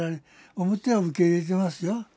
表は受け入れてますよ。